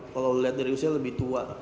kalau lihat dari usia lebih tua